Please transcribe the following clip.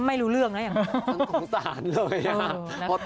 ไม่รู้เรื่องนะ